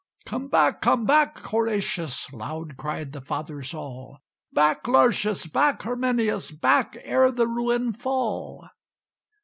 "Come back, come back, Horatius!" Loud cried the Fathers all. "Back, Lartius! back, Herminius! Back, ere the ruin fall!"